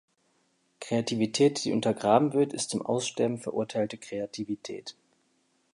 Kreativität, die untergraben wird, ist zum Aussterben verurteilte Kreativität.